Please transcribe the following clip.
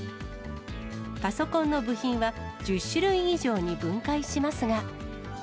パソコンの部品は１０種類以上に分解しますが。